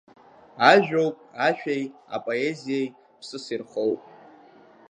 Ажәоуп ашәеи апоезиеи ԥсыс ирхоу.